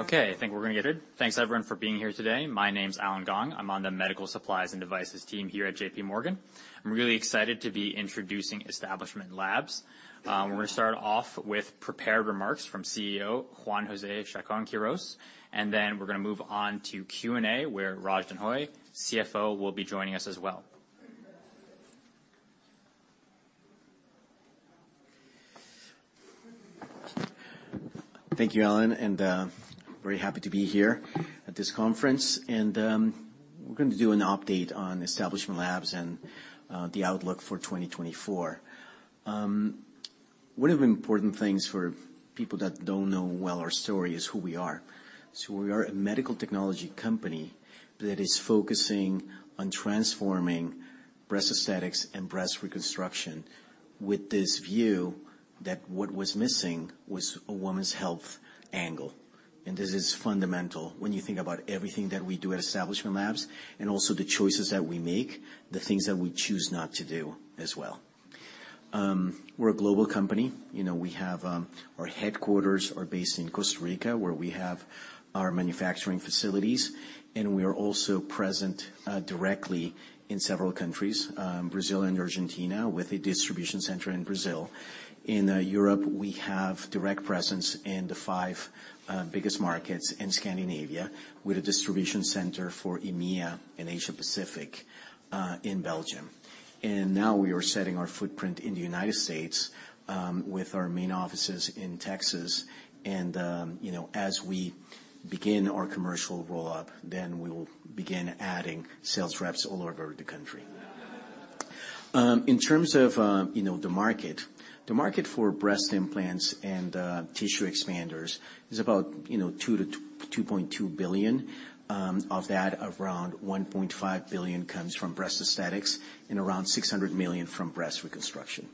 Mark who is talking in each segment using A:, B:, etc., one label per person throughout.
A: Okay, I think we're gonna get in. Thanks, everyone, for being here today. My name's Allen Gong. I'm on the Medical Supplies and Devices team here at J.P. Morgan. I'm really excited to be introducing Establishment Labs. We're gonna start off with prepared remarks from CEO, Juan José Chacón-Quirós, and then we're gonna move on to Q&A, where Raj Denhoy, CFO, will be joining us as well.
B: Thank you, Allen, and very happy to be here at this conference. We're going to do an update on Establishment Labs and the outlook for 2024. One of the important things for people that don't know well our story is who we are. So we are a medical technology company that is focusing on transforming breast aesthetics and breast reconstruction, with this view that what was missing was a woman's health angle. This is fundamental when you think about everything that we do at Establishment Labs and also the choices that we make, the things that we choose not to do as well. We're a global company. You know, we have. Our headquarters are based in Costa Rica, where we have our manufacturing facilities, and we are also present directly in several countries, Brazil and Argentina, with a distribution center in Brazil. In Europe, we have direct presence in the five biggest markets in Scandinavia, with a distribution center for EMEA and Asia Pacific in Belgium. Now we are setting our footprint in the United States, with our main offices in Texas, and, you know, as we begin our commercial roll-up, then we will begin adding sales reps all over the country. In terms of, you know, the market, the market for breast implants and tissue expanders is about, you know, $2-2.2 billion. Of that, around $1.5 billion comes from breast aesthetics and around $600 million from breast reconstruction.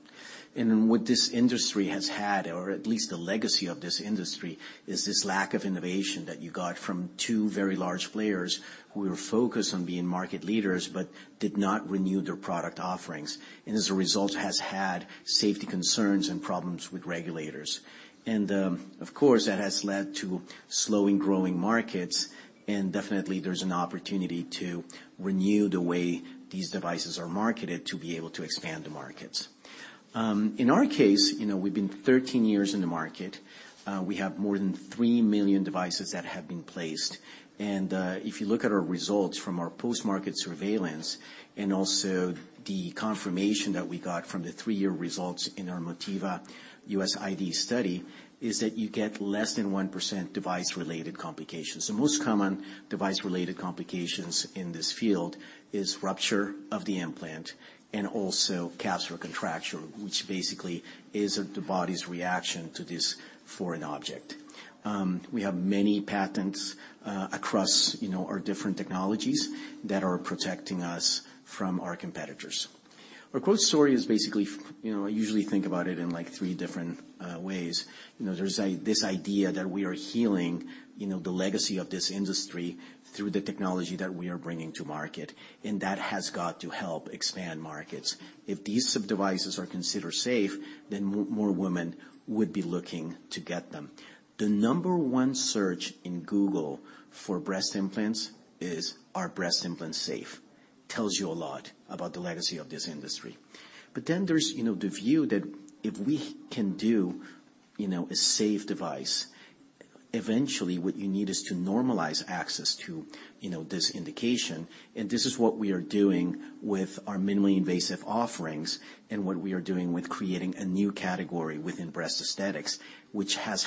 B: What this industry has had, or at least the legacy of this industry, is this lack of innovation that you got from two very large players who were focused on being market leaders but did not renew their product offerings, and as a result, has had safety concerns and problems with regulators. Of course, that has led to slowly growing markets, and definitely there's an opportunity to renew the way these devices are marketed to be able to expand the markets. In our case, you know, we've been 13 years in the market. We have more than three million devices that have been placed. If you look at our results from our post-market surveillance and also the confirmation that we got from the three-year results in our Motiva U.S. IDE study, is that you get less than 1% device-related complications. The most common device-related complications in this field is rupture of the implant and also capsular contracture, which basically is the body's reaction to this foreign object. We have many patents across, you know, our different technologies that are protecting us from our competitors. Our growth story is basically, you know, I usually think about it in, like, three different ways. You know, there's this idea that we are healing, you know, the legacy of this industry through the technology that we are bringing to market, and that has got to help expand markets. If these devices are considered safe, then more women would be looking to get them. The number one search in Google for breast implants is, "Are breast implants safe?" Tells you a lot about the legacy of this industry. But then there's, you know, the view that if we can do, you know, a safe device, eventually what you need is to normalize access to, you know, this indication. And this is what we are doing with our minimally invasive offerings and what we are doing with creating a new category within breast aesthetics, which has,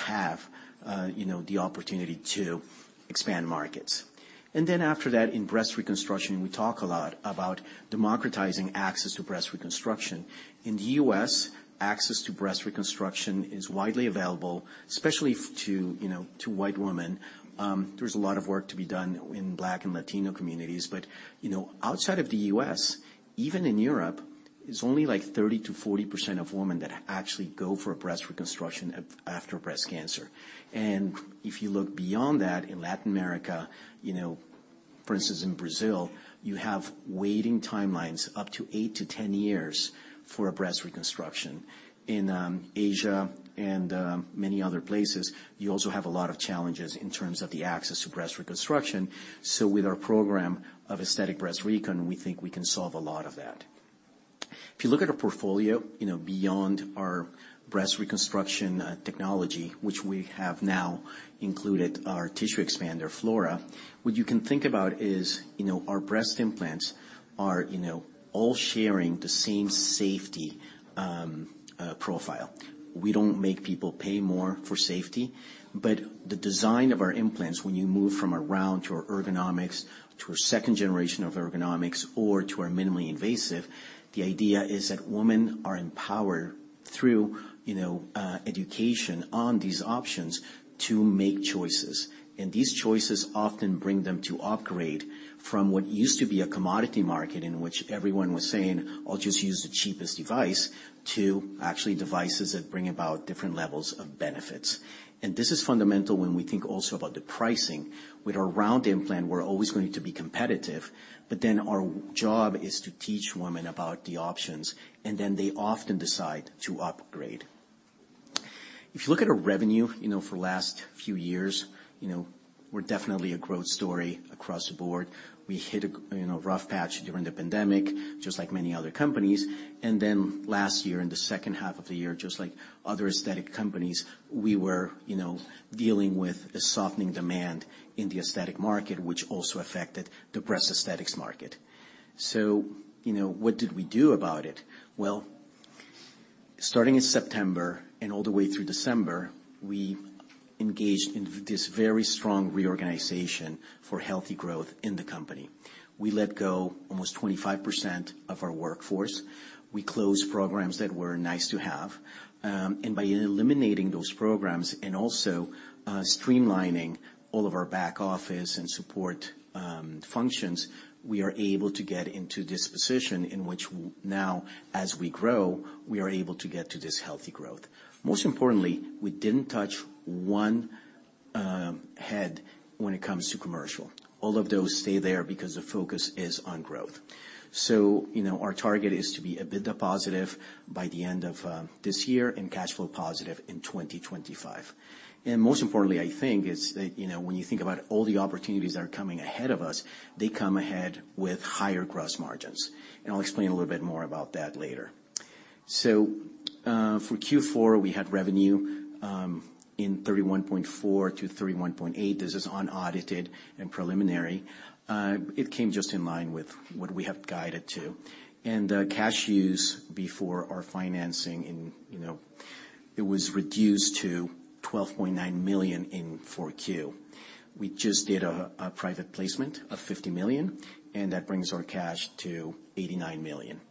B: you know, the opportunity to expand markets. And then after that, in breast reconstruction, we talk a lot about democratizing access to breast reconstruction. In the U.S., access to breast reconstruction is widely available, especially to, you know, to white women. There's a lot of work to be done in Black and Latino communities, but, you know, outside of the U.S., even in Europe, it's only, like, 30%-40% of women that actually go for a breast reconstruction after breast cancer. If you look beyond that, in Latin America, you know, for instance, in Brazil, you have waiting timelines up to 8-10 years for a breast reconstruction. In Asia and many other places, you also have a lot of challenges in terms of the access to breast reconstruction. So with our program of aesthetic breast recon, we think we can solve a lot of that. If you look at our portfolio, you know, beyond our breast reconstruction technology, which we have now included our tissue expander, Flora, what you can think about is, you know, our breast implants are, you know, all sharing the same safety profile. We don't make people pay more for safety, but the design of our implants, when you move from a round to our Ergonomix, to our second generation of Ergonomix or to our minimally invasive, the idea is that women are empowered through, you know, education on these options to make choices. And these choices often bring them to upgrade from what used to be a commodity market, in which everyone was saying, "I'll just use the cheapest device," to actually devices that bring about different levels of benefits. And this is fundamental when we think also about the pricing. With our round implant, we're always going to be competitive, but then our job is to teach women about the options, and then they often decide to upgrade. If you look at our revenue, you know, for the last few years, you know, we're definitely a growth story across the board. We hit a, you know, rough patch during the pandemic, just like many other companies, and then last year, in the second half of the year, just like other aesthetic companies, we were, you know, dealing with a softening demand in the aesthetic market, which also affected the breast aesthetics market. So, you know, what did we do about it? Well, starting in September and all the way through December, we engaged in this very strong reorganization for healthy growth in the company. We let go almost 25% of our workforce. We closed programs that were nice to have, and by eliminating those programs and also, streamlining all of our back office and support functions, we are able to get into this position in which now, as we grow, we are able to get to this healthy growth. Most importantly, we didn't touch one head when it comes to commercial. All of those stay there because the focus is on growth. So, you know, our target is to be EBITDA positive by the end of this year and cash flow positive in 2025. And most importantly, I think, is that, you know, when you think about all the opportunities that are coming ahead of us, they come ahead with higher gross margins, and I'll explain a little bit more about that later. So, for Q4, we had revenue in $31.4 million-$31.8 million. This is unaudited and preliminary. It came just in line with what we have guided to. And, cash use before our financing in, you know, it was reduced to $12.9 million in 4Q. We just did a private placement of $50 million, and that brings our cash to $89 million.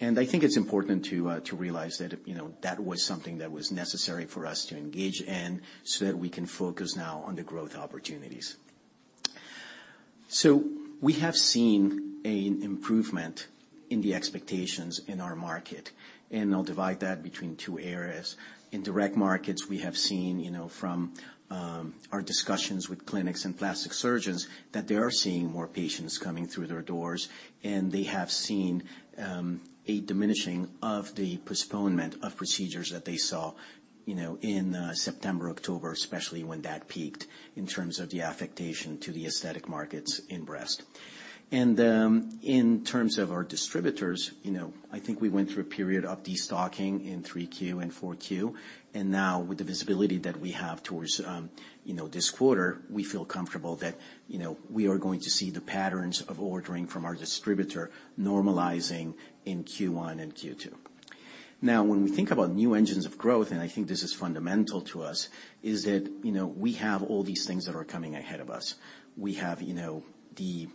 B: And I think it's important to realize that, you know, that was something that was necessary for us to engage in so that we can focus now on the growth opportunities. So we have seen an improvement in the expectations in our market, and I'll divide that between two areas. In direct markets, we have seen, you know, from our discussions with clinics and plastic surgeons, that they are seeing more patients coming through their doors, and they have seen a diminishing of the postponement of procedures that they saw, you know, in September, October, especially when that peaked in terms of the affectation to the aesthetic markets in breast. In terms of our distributors, you know, I think we went through a period of destocking in 3Q and 4Q, and now with the visibility that we have towards, you know, this quarter, we feel comfortable that, you know, we are going to see the patterns of ordering from our distributor normalizing in Q1 and Q2. Now, when we think about new engines of growth, and I think this is fundamental to us, is that, you know, we have all these things that are coming ahead of us. We have, you know, the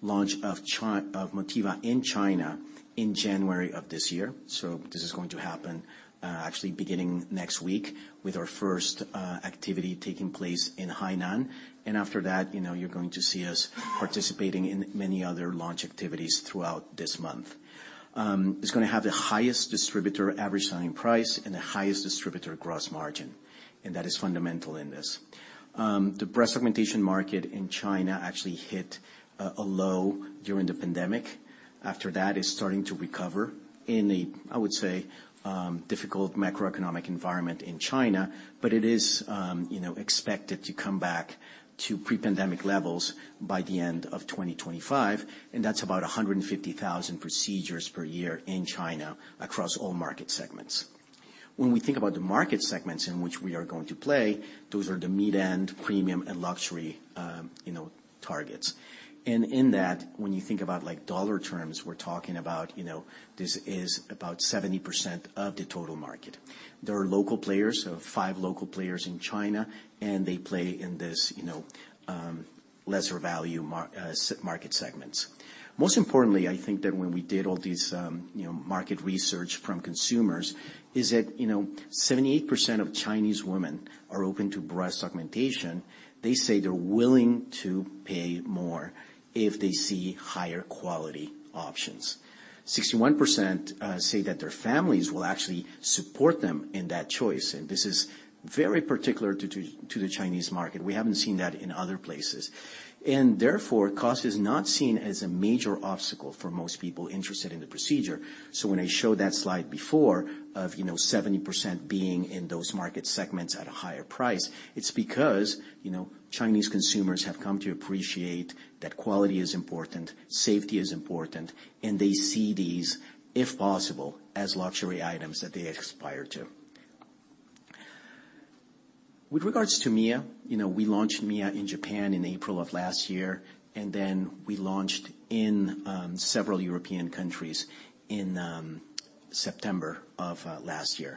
B: launch of Motiva in China in January of this year. So this is going to happen, actually, beginning next week, with our first activity taking place in Hainan. And after that, you know, you're going to see us participating in many other launch activities throughout this month. It's gonna have the highest distributor average selling price and the highest distributor gross margin, and that is fundamental in this. The breast augmentation market in China actually hit a low during the pandemic. After that, it's starting to recover in a, I would say, difficult macroeconomic environment in China, but it is, you know, expected to come back to pre-pandemic levels by the end of 2025, and that's about 150,000 procedures per year in China across all market segments. When we think about the market segments in which we are going to play, those are the mid-end, premium, and luxury, you know, targets. And in that, when you think about, like, dollar terms, we're talking about, you know, this is about 70% of the total market. There are local players, so five local players in China, and they play in this, you know, lesser value market segments. Most importantly, I think that when we did all these, you know, market research from consumers, is that, you know, 78% of Chinese women are open to breast augmentation. They say they're willing to pay more if they see higher quality options. 61% say that their families will actually support them in that choice, and this is very particular to the Chinese market. We haven't seen that in other places. And therefore, cost is not seen as a major obstacle for most people interested in the procedure. So when I showed that slide before of, you know, 70% being in those market segments at a higher price, it's because, you know, Chinese consumers have come to appreciate that quality is important, safety is important, and they see these, if possible, as luxury items that they aspire to. With regards to Mia, you know, we launched Mia in Japan in April 2023, and then we launched in several European countries in September 2023.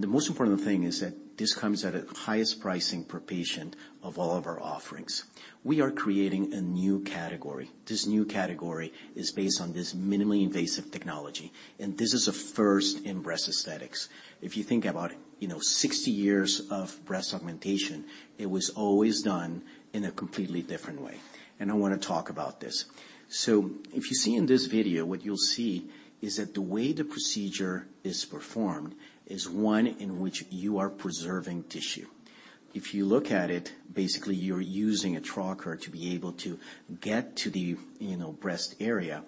B: The most important thing is that this comes at the highest pricing per patient of all of our offerings. We are creating a new category. This new category is based on this minimally invasive technology, and this is a first in breast aesthetics. If you think about, you know, 60 years of breast augmentation, it was always done in a completely different way, and I want to talk about this. So if you see in this video, what you'll see is that the way the procedure is performed is one in which you are preserving tissue. If you look at it, basically, you're using a tracker to be able to get to the, you know, breast area.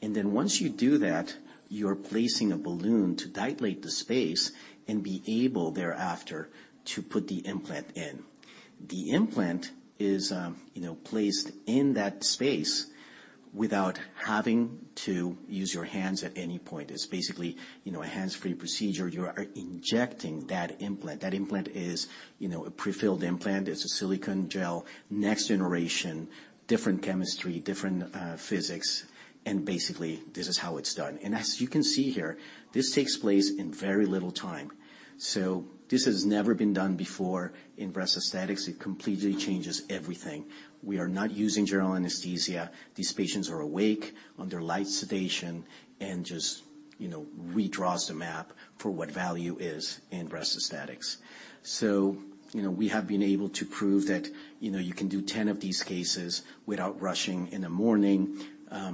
B: Then once you do that, you're placing a balloon to dilate the space and be able thereafter to put the implant in. The implant is, you know, placed in that space without having to use your hands at any point. It's basically, you know, a hands-free procedure. You are injecting that implant. That implant is, you know, a prefilled implant. It's a silicone gel, next generation, different chemistry, different, physics, and basically, this is how it's done. And as you can see here, this takes place in very little time. So this has never been done before in breast aesthetics. It completely changes everything. We are not using general anesthesia. These patients are awake, under light sedation, and just, you know, redraws the map for what value is in breast aesthetics. So, you know, we have been able to prove that, you know, you can do 10 of these cases without rushing in the morning.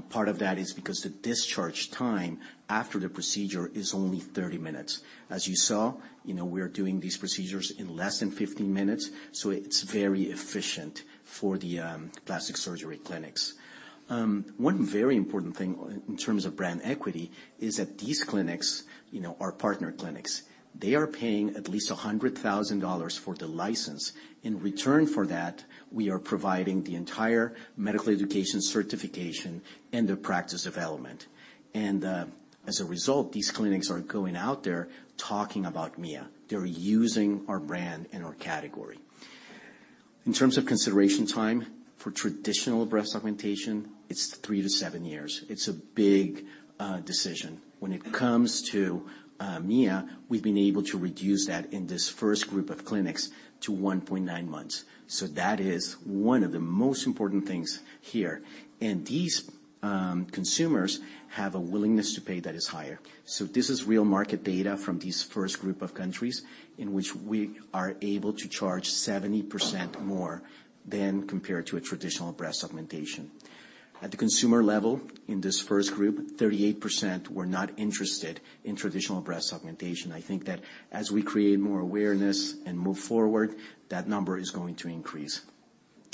B: Part of that is because the discharge time after the procedure is only 30 minutes. As you saw, you know, we're doing these procedures in less than 15 minutes, so it's very efficient for the plastic surgery clinics. One very important thing in terms of brand equity is that these clinics, you know, our partner clinics, they are paying at least $100,000 for the license. In return for that, we are providing the entire medical education certification and the practice development. As a result, these clinics are going out there talking about Mia. They're using our brand and our category. In terms of consideration time for traditional breast augmentation, it's 3-7 years. It's a big decision. When it comes to Mia, we've been able to reduce that in this first group of clinics to 1.9 months. So that is one of the most important things here. And these consumers have a willingness to pay that is higher. So this is real market data from these first group of countries in which we are able to charge 70% more than compared to a traditional breast augmentation. At the consumer level, in this first group, 38% were not interested in traditional breast augmentation. I think that as we create more awareness and move forward, that number is going to increase.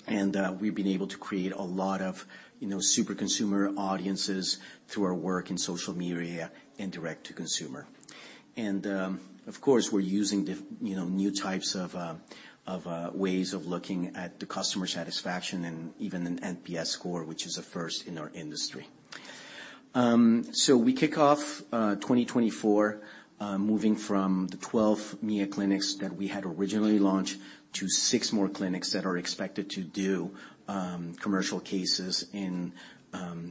B: And we've been able to create a lot of, you know, super consumer audiences through our work in social media and direct to consumer. Of course, we're using you know, new types of ways of looking at the customer satisfaction and even an NPS score, which is a first in our industry. So we kick off 2024, moving from the 12 Mia clinics that we had originally launched to six more clinics that are expected to do commercial cases in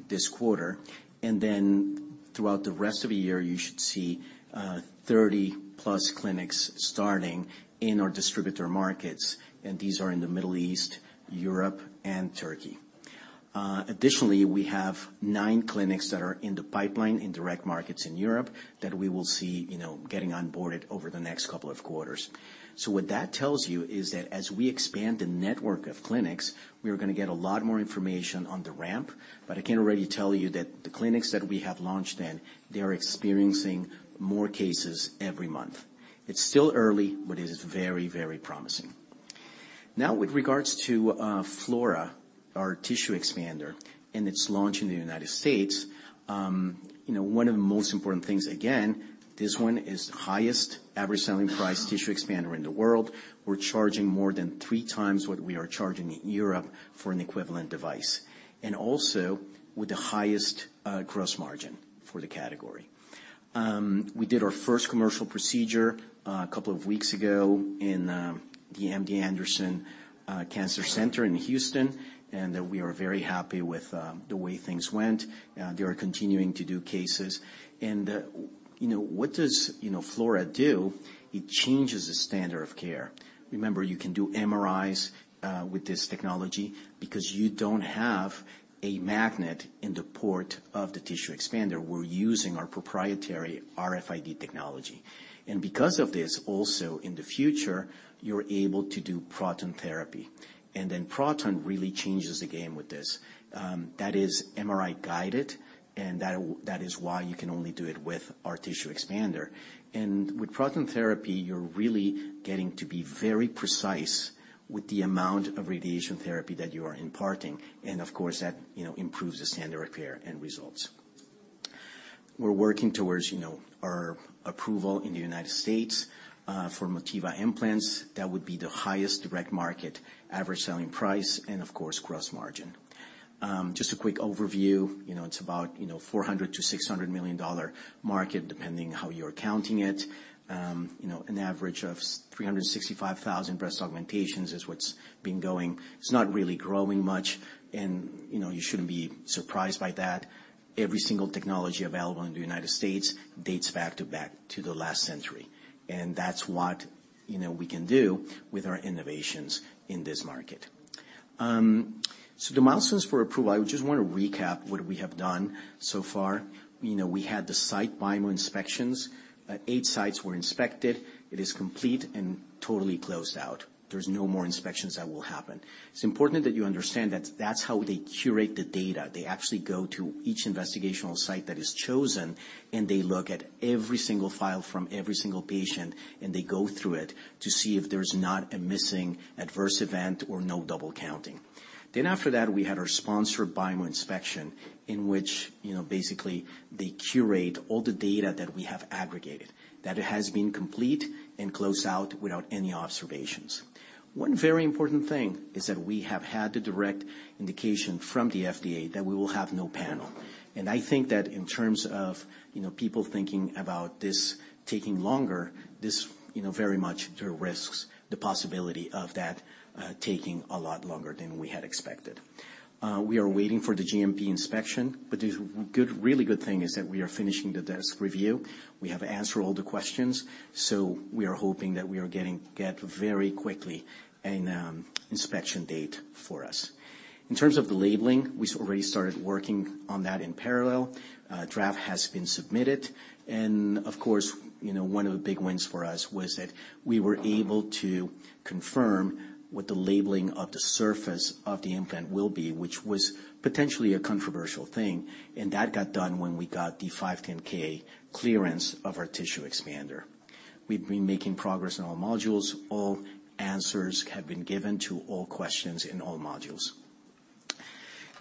B: this quarter. And then throughout the rest of the year, you should see 30+ clinics starting in our distributor markets, and these are in the Middle East, Europe, and Turkey. Additionally, we have nine clinics that are in the pipeline, in direct markets in Europe, that we will see, you know, getting onboarded over the next couple of quarters. So what that tells you is that as we expand the network of clinics, we are gonna get a lot more information on the ramp, but I can already tell you that the clinics that we have launched in, they are experiencing more cases every month. It's still early, but it is very, very promising. Now, with regards to, Flora, our tissue expander, and its launch in the United States, you know, one of the most important things, again, this one is highest average selling price tissue expander in the world. We're charging more than three times what we are charging in Europe for an equivalent device, and also with the highest, gross margin for the category. We did our first commercial procedure a couple of weeks ago in the MD Anderson Cancer Center in Houston, and we are very happy with the way things went. They are continuing to do cases. And you know, what does you know, Flora do? It changes the standard of care. Remember, you can do MRIs with this technology because you don't have a magnet in the port of the tissue expander. We're using our proprietary RFID technology. And because of this, also in the future, you're able to do proton therapy. And then proton really changes the game with this. That is MRI-guided, and that is why you can only do it with our tissue expander. With proton therapy, you're really getting to be very precise with the amount of radiation therapy that you are imparting, and of course, that, you know, improves the standard of care and results. We're working towards, you know, our approval in the United States for Motiva Implants. That would be the highest direct market, average selling price, and of course, gross margin. Just a quick overview. You know, it's about, you know, $400 million-$600 million market, depending how you're counting it. You know, an average of 365,000 breast augmentations is what's been going. It's not really growing much, and, you know, you shouldn't be surprised by that. Every single technology available in the United States dates back to the last century. And that's what, you know, we can do with our innovations in this market. So the milestones for approval, I just want to recap what we have done so far. You know, we had the site BIMO inspections. Eight sites were inspected. It is complete and totally closed out. There's no more inspections that will happen. It's important that you understand that that's how they curate the data. They actually go to each investigational site that is chosen, and they look at every single file from every single patient, and they go through it to see if there's not a missing adverse event or no double counting. Then after that, we had our sponsor BIMO inspection, in which, you know, basically they curate all the data that we have aggregated, that it has been complete and closed out without any observations. One very important thing is that we have had the direct indication from the FDA that we will have no panel. And I think that in terms of, you know, people thinking about this taking longer, this, you know, very much there are risks, the possibility of that, taking a lot longer than we had expected. We are waiting for the GMP inspection, but the really good thing is that we are finishing the desk review. We have answered all the questions, so we are hoping that we are getting very quickly an inspection date for us. In terms of the labeling, we already started working on that in parallel. A draft has been submitted, and of course, you know, one of the big wins for us was that we were able to confirm what the labeling of the surface of the implant will be, which was potentially a controversial thing, and that got done when we got the 510(k) clearance of our tissue expander. We've been making progress in all modules. All answers have been given to all questions in all modules.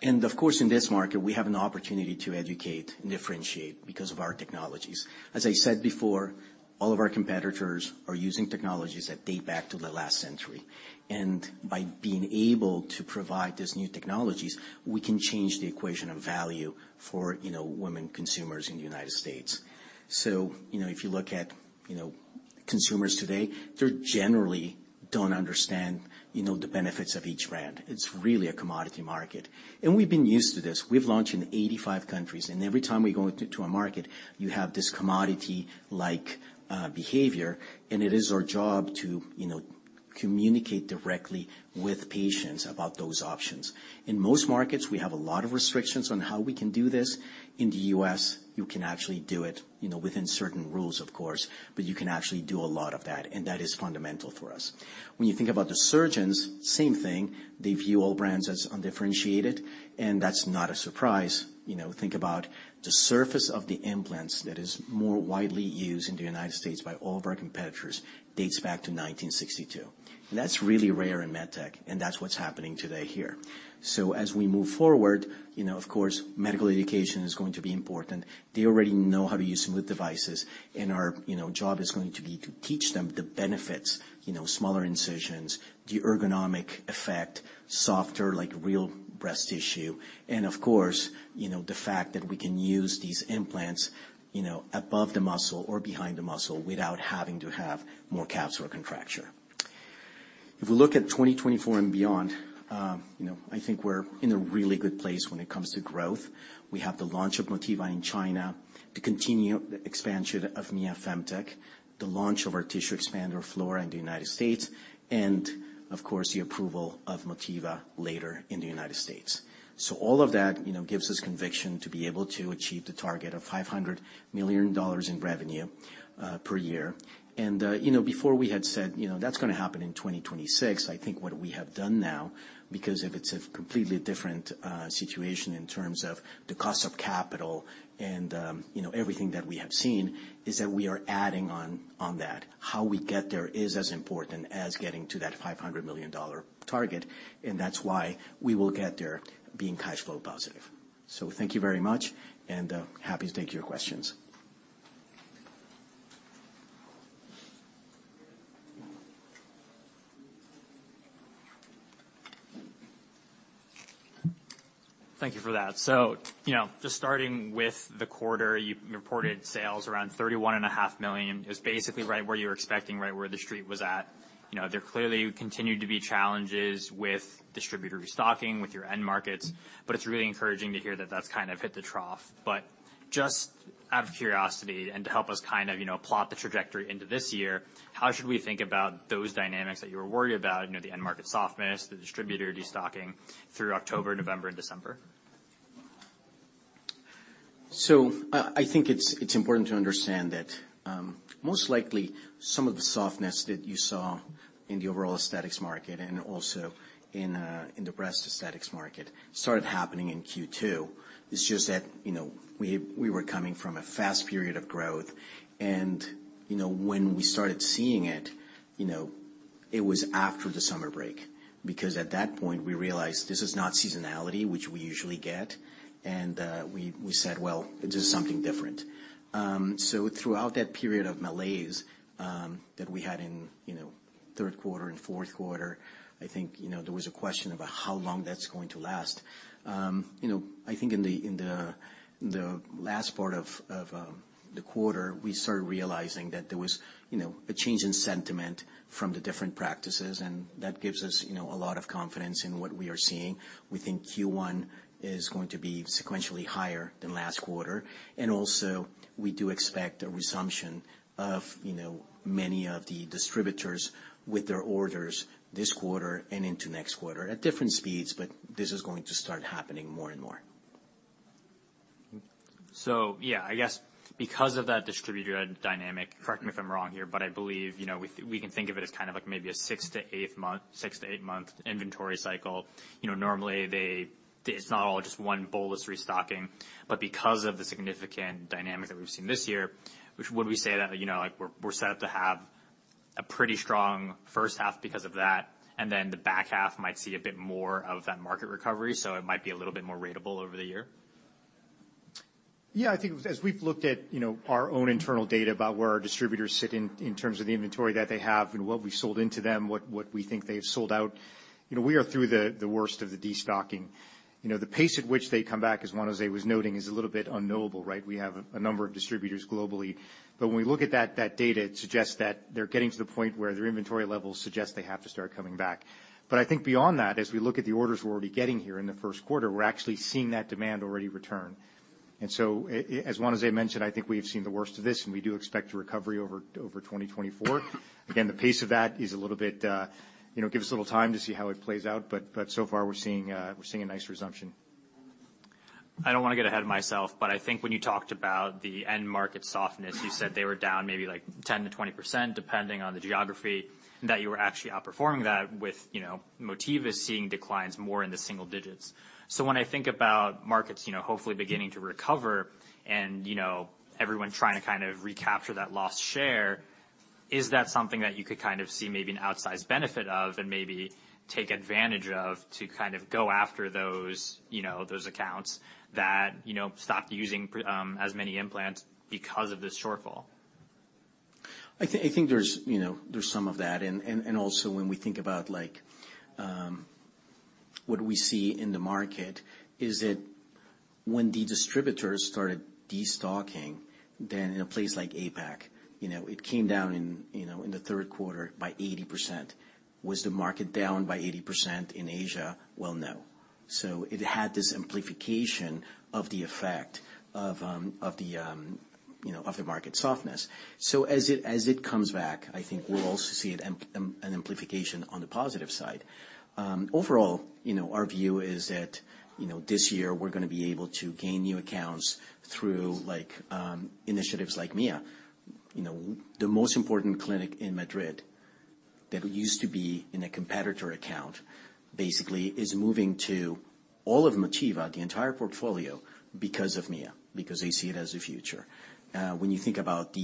B: Of course, in this market, we have an opportunity to educate and differentiate because of our technologies. As I said before, all of our competitors are using technologies that date back to the last century, and by being able to provide these new technologies, we can change the equation of value for, you know, women consumers in the United States. So, you know, if you look at, you know, consumers today, they generally don't understand, you know, the benefits of each brand. It's really a commodity market. And we've been used to this. We've launched in 85 countries, and every time we go into, to a market, you have this commodity-like behavior, and it is our job to, you know, communicate directly with patients about those options. In most markets, we have a lot of restrictions on how we can do this. In the U.S., you can actually do it, you know, within certain rules, of course, but you can actually do a lot of that, and that is fundamental for us. When you think about the surgeons, same thing. They view all brands as undifferentiated, and that's not a surprise. You know, think about the surface of the implants that is more widely used in the United States by all of our competitors, dates back to 1962. And that's really rare in med tech, and that's what's happening today here. So as we move forward, you know, of course, medical education is going to be important. They already know how to use smooth devices, and our, you know, job is going to be to teach them the benefits, you know, smaller incisions, the ergonomic effect, softer, like real breast tissue. And of course, you know, the fact that we can use these implants, you know, above the muscle or behind the muscle without having to have more capsular contracture. If we look at 2024 and beyond, you know, I think we're in a really good place when it comes to growth. We have the launch of Motiva in China, the continued expansion of Mia Femtech, the launch of our tissue expander, Motiva Flora, in the United States, and of course, the approval of Motiva later in the United States. So all of that, you know, gives us conviction to be able to achieve the target of $500 million in revenue, per year. And, you know, before we had said, you know, that's gonna happen in 2026, I think what we have done now, because if it's a completely different, situation in terms of the cost of capital and, you know, everything that we have seen, is that we are adding on, on that. How we get there is as important as getting to that $500 million target, and that's why we will get there being cash flow positive. So thank you very much, and happy to take your questions.
A: Thank you for that. So, you know, just starting with the quarter, you reported sales around $31.5 million, is basically right where you're expecting, right where the street was at. You know, there clearly continued to be challenges with distributor restocking, with your end markets, but it's really encouraging to hear that that's kind of hit the trough. But just out of curiosity and to help us kind of, you know, plot the trajectory into this year, how should we think about those dynamics that you were worried about? You know, the end market softness, the distributor restocking through October, November and December.
B: So I think it's important to understand that, most likely some of the softness that you saw in the overall aesthetics market and also in the breast aesthetics market started happening in Q2. It's just that, you know, we were coming from a fast period of growth and, you know, when we started seeing it, you know, it was after the summer break. Because at that point, we realized this is not seasonality, which we usually get, and we said, "Well, this is something different." So throughout that period of malaise that we had in, you know, Q3 and Q4, I think, you know, there was a question about how long that's going to last. You know, I think in the last part of the quarter, we started realizing that there was, you know, a change in sentiment from the different practices, and that gives us, you know, a lot of confidence in what we are seeing. We think Q1 is going to be sequentially higher than last quarter, and also, we do expect a resumption of, you know, many of the distributors with their orders this quarter and into next quarter at different speeds, but this is going to start happening more and more.
A: So yeah, I guess because of that distributor dynamic, correct me if I'm wrong here, but I believe, you know, we can think of it as kind of like maybe a 6-8-month, 6-8-month inventory cycle. You know, normally it's not all just one bolus restocking, but because of the significant dynamic that we've seen this year, which would we say that, you know, like we're set up to have a pretty strong first half because of that, and then the back half might see a bit more of that market recovery, so it might be a little bit more ratable over the year?
C: Yeah, I think as we've looked at, you know, our own internal data about where our distributors sit in terms of the inventory that they have and what we've sold into them, what we think they've sold out, you know, we are through the worst of the destocking. You know, the pace at which they come back, as Juan José was noting, is a little bit unknowable, right? We have a number of distributors globally, but when we look at that data, it suggests that they're getting to the point where their inventory levels suggest they have to start coming back. But I think beyond that, as we look at the orders we're already getting here in the Q1, we're actually seeing that demand already return. So as Juan José mentioned, I think we have seen the worst of this, and we do expect a recovery over 2024. Again, the pace of that is a little bit, you know, give us a little time to see how it plays out, but so far, we're seeing a nice resumption.
A: I don't want to get ahead of myself, but I think when you talked about the end market softness, you said they were down maybe like 10%-20%, depending on the geography, and that you were actually outperforming that with, you know, Motiva seeing declines more in the single digits. So when I think about markets, you know, hopefully beginning to recover and, you know, everyone trying to kind of recapture that lost share, is that something that you could kind of see maybe an outsized benefit of and maybe take advantage of to kind of go after those, you know, those accounts that, you know, stopped using as many implants because of this shortfall?
B: I think there's, you know, there's some of that. And also, when we think about, like, what we see in the market, is that when the distributors started destocking, then in a place like APAC, you know, it came down in the Q3 by 80%. Was the market down by 80% in Asia? Well, no. So it had this amplification of the effect of the market softness. So as it comes back, I think we'll also see an amplification on the positive side. Overall, you know, our view is that, you know, this year we're going to be able to gain new accounts through like initiatives like Mia. You know, the most important clinic in Madrid that used to be in a competitor account, basically, is moving to all of Motiva, the entire portfolio, because of Mia, because they see it as a future. When you think about the,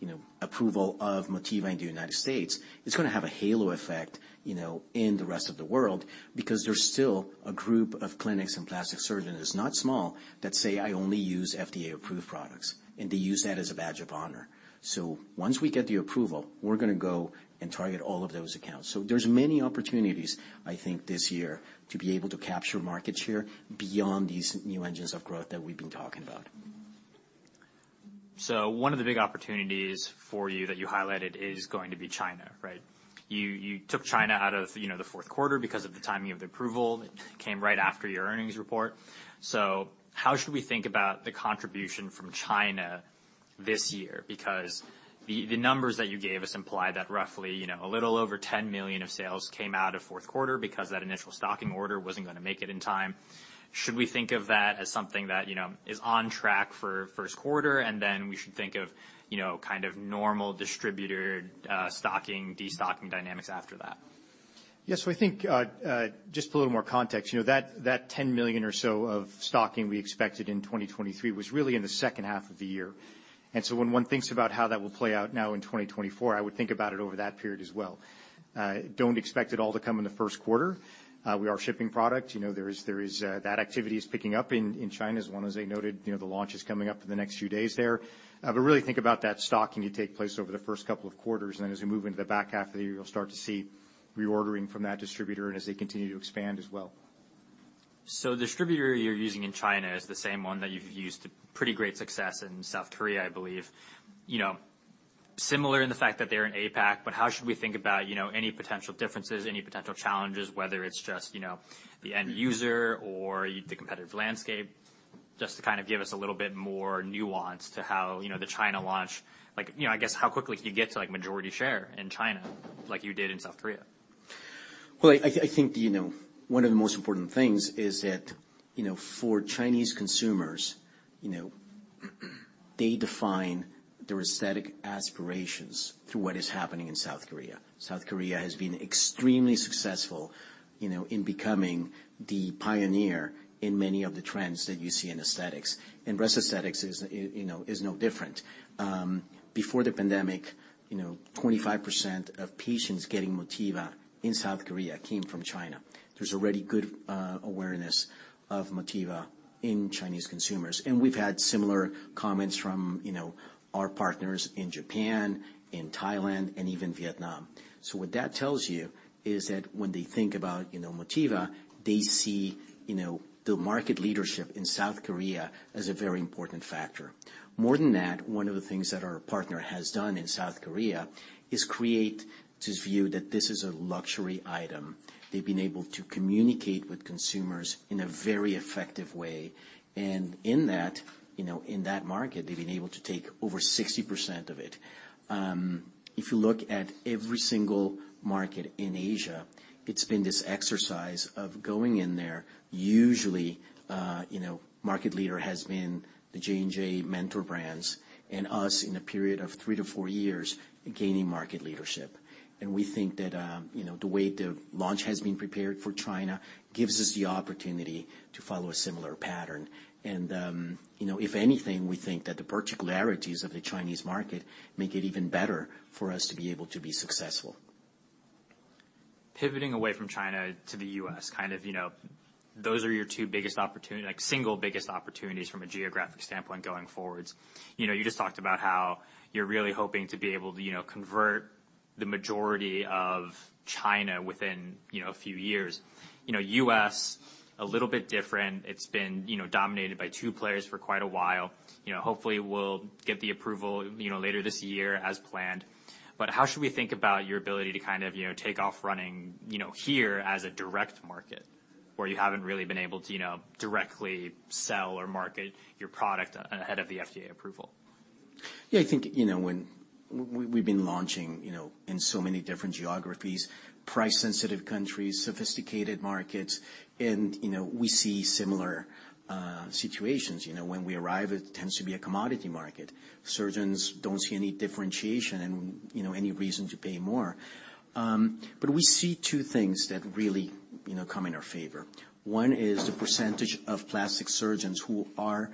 B: you know, approval of Motiva in the United States, it's going to have a halo effect, you know, in the rest of the world, because there's still a group of clinics and plastic surgeons, it's not small, that say, "I only use FDA-approved products," and they use that as a badge of honor. So once we get the approval, we're going to go and target all of those accounts. So there's many opportunities, I think, this year to be able to capture market share beyond these new engines of growth that we've been talking about.
A: So one of the big opportunities for you that you highlighted is going to be China, right? You, you took China out of, you know, the Q4 because of the timing of the approval. It came right after your earnings report. So how should we think about the contribution from China this year? Because the, the numbers that you gave us imply that roughly, you know, a little over $10 million of sales came out of Q4 because that initial stocking order wasn't going to make it in time. Should we think of that as something that, you know, is on track for Q1, and then we should think of, you know, kind of normal distributor, stocking, destocking dynamics after that?
C: Yes, so I think, just a little more context. You know, that $10 million or so of stocking we expected in 2023 was really in the second half of the year. And so when one thinks about how that will play out now in 2024, I would think about it over that period as well. Don't expect it all to come in the Q1. We are shipping product. You know, there is... That activity is picking up in China. As Juan José noted, you know, the launch is coming up in the next few days there. But really think about that stocking to take place over the first couple of quarters, and then as we move into the back half of the year, you'll start to see reordering from that distributor and as they continue to expand as well.
A: So the distributor you're using in China is the same one that you've used to pretty great success in South Korea, I believe. You know, similar in the fact that they're in APAC, but how should we think about, you know, any potential differences, any potential challenges, whether it's just, you know, the end user or the competitive landscape? Just to kind of give us a little bit more nuance to how, you know, the China launch. Like, you know, I guess, how quickly can you get to, like, majority share in China like you did in South Korea?
B: Well, I think, you know, one of the most important things is that, you know, for Chinese consumers, you know, they define their aesthetic aspirations through what is happening in South Korea. South Korea has been extremely successful, you know, in becoming the pioneer in many of the trends that you see in aesthetics, and breast aesthetics is, you know, is no different. Before the pandemic, you know, 25% of patients getting Motiva in South Korea came from China. There's already good awareness of Motiva in Chinese consumers, and we've had similar comments from, you know, our partners in Japan, in Thailand, and even Vietnam. So what that tells you is that when they think about, you know, Motiva, they see, you know, the market leadership in South Korea as a very important factor. More than that, one of the things that our partner has done in South Korea is create this view that this is a luxury item. They've been able to communicate with consumers in a very effective way, and in that, you know, in that market, they've been able to take over 60% of it. If you look at every single market in Asia, it's been this exercise of going in there. Usually, you know, market leader has been the J&J Mentor brands and us in a period of 3-4 years, gaining market leadership.... And we think that, you know, the way the launch has been prepared for China gives us the opportunity to follow a similar pattern. And, you know, if anything, we think that the particularities of the Chinese market make it even better for us to be able to be successful.
A: Pivoting away from China to the U.S., kind of, you know, those are your two biggest opportunity, like, single biggest opportunities from a geographic standpoint going forwards. You know, you just talked about how you're really hoping to be able to, you know, convert the majority of China within, you know, a few years. You know, U.S., a little bit different. It's been, you know, dominated by two players for quite a while. You know, hopefully, we'll get the approval, you know, later this year as planned. But how should we think about your ability to kind of, you know, take off running, you know, here as a direct market, where you haven't really been able to, you know, directly sell or market your product ahead of the FDA approval?
B: Yeah, I think, you know, when we've been launching, you know, in so many different geographies, price-sensitive countries, sophisticated markets, and, you know, we see similar situations. You know, when we arrive, it tends to be a commodity market. Surgeons don't see any differentiation and, you know, any reason to pay more. But we see two things that really, you know, come in our favor. One is the percentage of plastic surgeons who are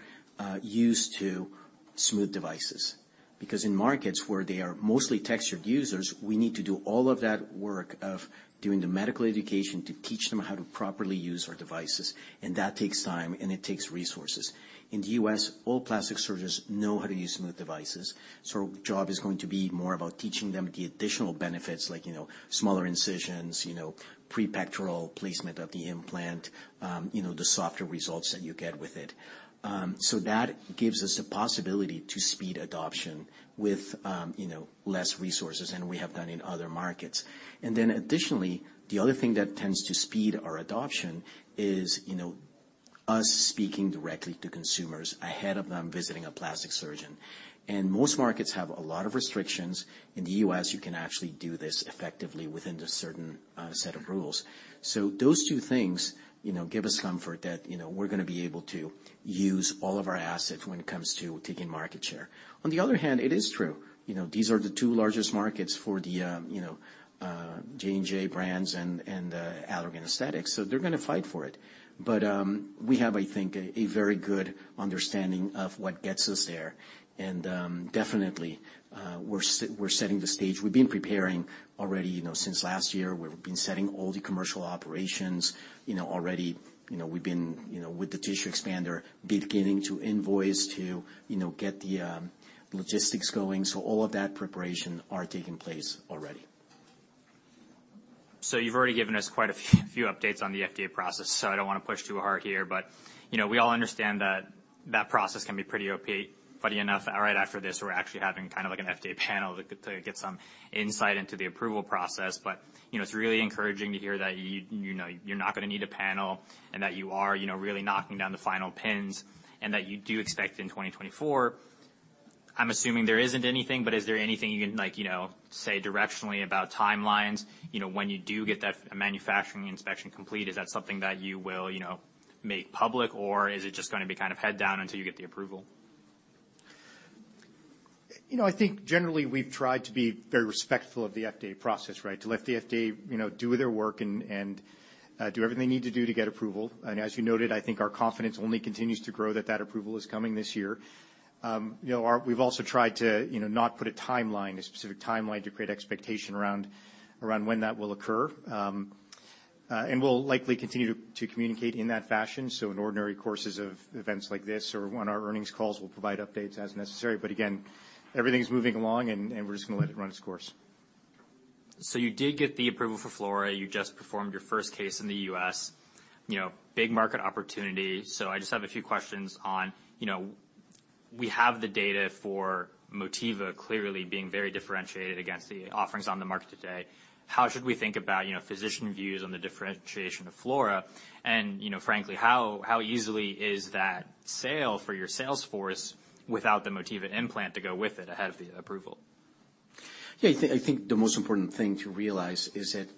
B: used to smooth devices, because in markets where they are mostly textured users, we need to do all of that work of doing the medical education to teach them how to properly use our devices, and that takes time, and it takes resources. In the U.S., all plastic surgeons know how to use smooth devices, so job is going to be more about teaching them the additional benefits, like, you know, smaller incisions, you know, pre-pectoral placement of the implant, you know, the softer results that you get with it. So that gives us a possibility to speed adoption with, you know, less resources than we have done in other markets. And then additionally, the other thing that tends to speed our adoption is, you know, us speaking directly to consumers ahead of them visiting a plastic surgeon. And most markets have a lot of restrictions. In the U.S., you can actually do this effectively within a certain set of rules. So those two things, you know, give us comfort that, you know, we're going to be able to use all of our assets when it comes to taking market share. On the other hand, it is true, you know, these are the two largest markets for the, you know, J&J brands and Allergan Aesthetics, so they're going to fight for it. But, we have, I think, a very good understanding of what gets us there, and, definitely, we're setting the stage. We've been preparing already, you know, since last year, where we've been setting all the commercial operations. You know, already, you know, we've been, you know, with the tissue expander, beginning to invoice to, you know, get the, logistics going. So all of that preparation are taking place already.
A: So you've already given us quite a few updates on the FDA process, so I don't want to push too hard here, but, you know, we all understand that that process can be pretty opaque. Funny enough, all right, after this, we're actually having kind of like an FDA panel to get some insight into the approval process. But, you know, it's really encouraging to hear that you know, you're not going to need a panel and that you are, you know, really knocking down the final pins and that you do expect in 2024. I'm assuming there isn't anything, but is there anything you can, like, you know, say directionally about timelines? You know, when you do get that manufacturing inspection complete, is that something that you will, you know, make public, or is it just going to be kind of head down until you get the approval?
C: You know, I think generally, we've tried to be very respectful of the FDA process, right? To let the FDA, you know, do their work and do everything they need to do to get approval. And as you noted, I think our confidence only continues to grow that that approval is coming this year. You know, we've also tried to, you know, not put a timeline, a specific timeline, to create expectation around when that will occur. And we'll likely continue to communicate in that fashion. So in ordinary courses of events like this or on our earnings calls, we'll provide updates as necessary. But again, everything's moving along, and we're just going to let it run its course.
A: So you did get the approval for Flora. You just performed your first case in the U.S. You know, big market opportunity. So I just have a few questions on, you know, we have the data for Motiva clearly being very differentiated against the offerings on the market today. How should we think about, you know, physician views on the differentiation of Flora? And, you know, frankly, how easily is that sale for your sales force without the Motiva implant to go with it ahead of the approval?
B: Yeah, I think the most important thing to realize is that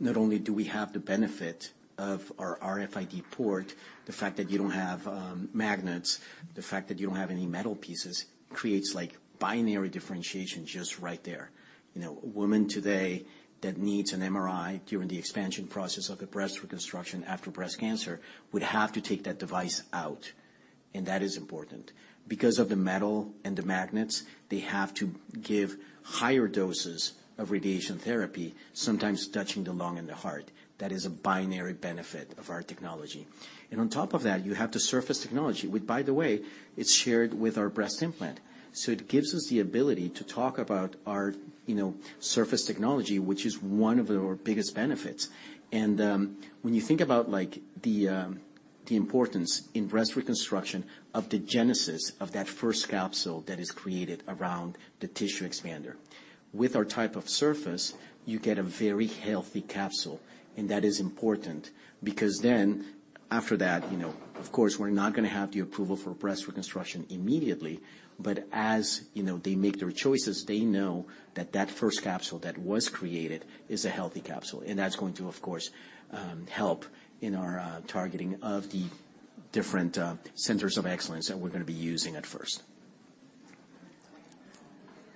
B: not only do we have the benefit of our RFID port, the fact that you don't have magnets, the fact that you don't have any metal pieces, creates, like, binary differentiation just right there. You know, a woman today that needs an MRI during the expansion process of a breast reconstruction after breast cancer would have to take that device out, and that is important. Because of the metal and the magnets, they have to give higher doses of radiation therapy, sometimes touching the lung and the heart. That is a binary benefit of our technology. And on top of that, you have the surface technology, which, by the way, it's shared with our breast implant. So it gives us the ability to talk about our, you know, surface technology, which is one of our biggest benefits. And, when you think about, like, the importance in breast reconstruction of the genesis of that first capsule that is created around the tissue expander, with our type of surface, you get a very healthy capsule, and that is important. Because then, after that, you know, of course, we're not going to have the approval for breast reconstruction immediately, but as, you know, they make their choices, they know that that first capsule that was created is a healthy capsule, and that's going to, of course, help in our targeting of the different centers of excellence that we're going to be using at first.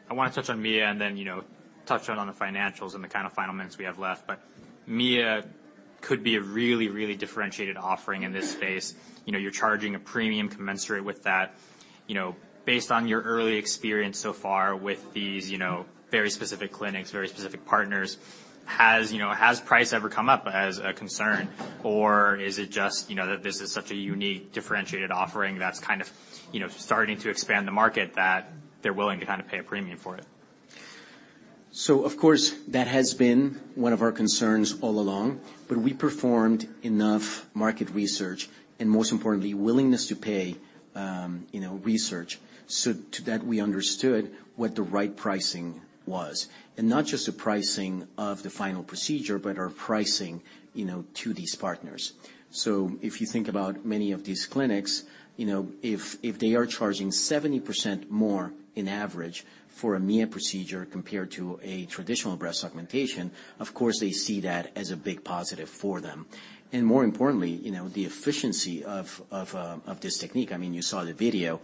A: I want to touch on Mia, and then, you know, touch on, on the financials in the kind of final minutes we have left. But Mia could be a really, really differentiated offering in this space. You know, you're charging a premium commensurate with that. You know, based on your early experience so far with these, you know, very specific clinics, very specific partners, has, you know, has price ever come up as a concern? Or is it just, you know, that this is such a unique, differentiated offering that's kind of, you know, starting to expand the market, that they're willing to kind of pay a premium for it?
B: So of course, that has been one of our concerns all along, but we performed enough market research and most importantly, willingness to pay, you know, research, so to that we understood what the right pricing was. And not just the pricing of the final procedure, but our pricing, you know, to these partners. So if you think about many of these clinics, you know, if they are charging 70% more in average for a Mia procedure compared to a traditional breast augmentation, of course, they see that as a big positive for them. And more importantly, you know, the efficiency of this technique. I mean, you saw the video.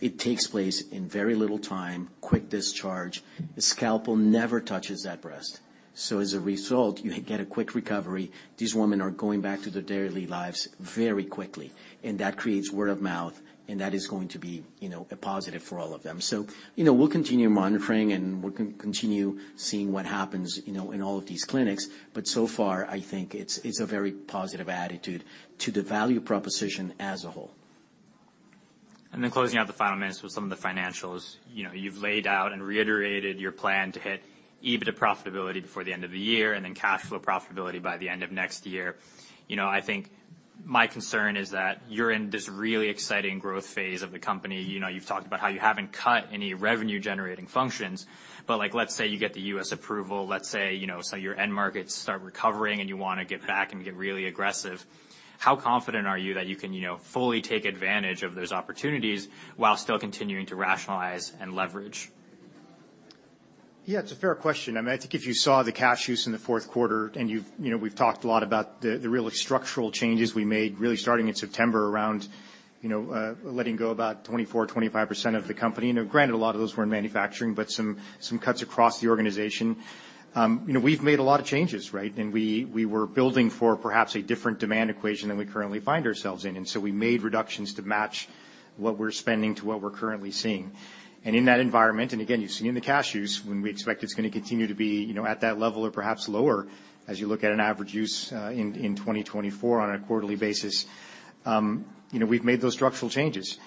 B: It takes place in very little time, quick discharge. The scalpel never touches that breast, so as a result, you get a quick recovery. These women are going back to their daily lives very quickly, and that creates word of mouth, and that is going to be, you know, a positive for all of them. So, you know, we'll continue monitoring, and we'll continue seeing what happens, you know, in all of these clinics. But so far, I think it's a very positive attitude to the value proposition as a whole.
A: Then closing out the final minutes with some of the financials. You know, you've laid out and reiterated your plan to hit EBITDA profitability before the end of the year, and then cash flow profitability by the end of next year. You know, I think my concern is that you're in this really exciting growth phase of the company. You know, you've talked about how you haven't cut any revenue-generating functions. But, like, let's say you get the U.S. approval. Let's say, you know, so your end markets start recovering, and you want to get back and get really aggressive. How confident are you that you can, you know, fully take advantage of those opportunities while still continuing to rationalize and leverage?
C: Yeah, it's a fair question. I mean, I think if you saw the cash use in the Q4, and you've, you know, we've talked a lot about the really structural changes we made, really starting in September around, you know, letting go about 24%-25% of the company. You know, granted, a lot of those were in manufacturing, but some cuts across the organization. You know, we've made a lot of changes, right? And we were building for perhaps a different demand equation than we currently find ourselves in. And so we made reductions to match what we're spending to what we're currently seeing. In that environment, and again, you've seen in the cash use, when we expect it's going to continue to be, you know, at that level or perhaps lower, as you look at an average use, in 2024 on a quarterly basis, you know, we've made those structural changes.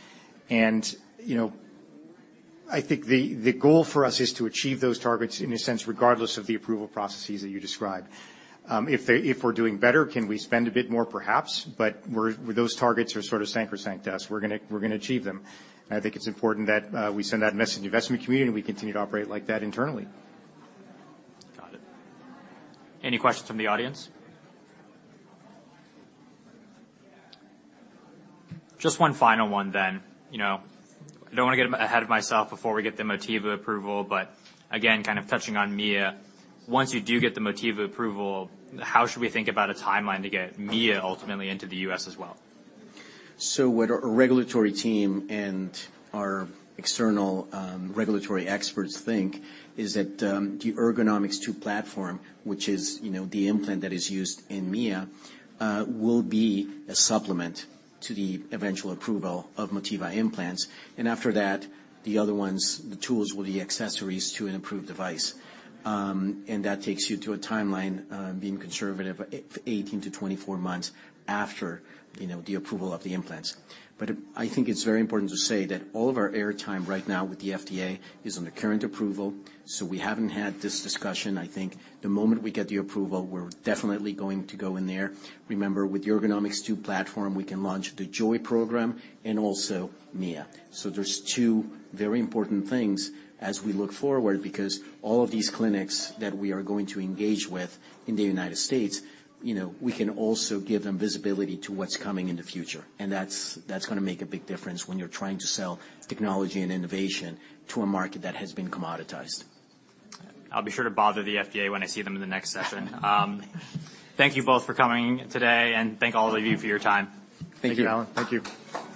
C: And, you know, I think the goal for us is to achieve those targets in a sense, regardless of the approval processes that you described. If we're doing better, can we spend a bit more? Perhaps. But we're. Those targets are sort of sacrosanct to us. We're gonna, we're gonna achieve them. And I think it's important that we send that message to the investment community, and we continue to operate like that internally.
A: Got it. Any questions from the audience? Just one final one then. You know, I don't want to get ahead of myself before we get the Motiva approval, but again, kind of touching on Mia. Once you do get the Motiva approval, how should we think about a timeline to get Mia ultimately into the U.S. as well?
B: So what our regulatory team and our external, regulatory experts think is that, the Ergonomix2 platform, which is, you know, the implant that is used in Mia, will be a supplement to the eventual approval of Motiva implants. And after that, the other ones, the tools, will be accessories to an approved device. That takes you to a timeline, being conservative, 18-24 months after, you know, the approval of the implants. But I think it's very important to say that all of our air time right now with the FDA is on the current approval, so we haven't had this discussion. I think the moment we get the approval, we're definitely going to go in there. Remember, with the Ergonomix2 platform, we can launch the JOY program and also Mia. There's two very important things as we look forward, because all of these clinics that we are going to engage with in the United States, you know, we can also give them visibility to what's coming in the future. That's gonna make a big difference when you're trying to sell technology and innovation to a market that has been commoditized.
A: I'll be sure to bother the FDA when I see them in the next session. Thank you both for coming today, and thank all of you for your time.
B: Thank you.
C: Thank you, Allen. Thank you.